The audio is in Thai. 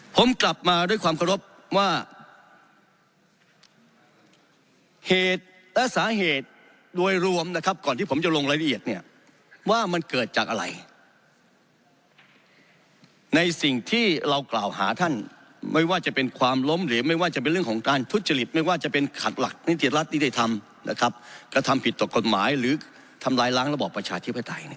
ผมกลับมาด้วยความเคารพว่าเหตุและสาเหตุโดยรวมนะครับก่อนที่ผมจะลงรายละเอียดเนี่ยว่ามันเกิดจากอะไรในสิ่งที่เรากล่าวหาท่านไม่ว่าจะเป็นความล้มเหลวไม่ว่าจะเป็นเรื่องของการทุจริตไม่ว่าจะเป็นขัดหลักนิติรัฐนิติธรรมนะครับกระทำผิดต่อกฎหมายหรือทำลายล้างระบอบประชาธิปไตย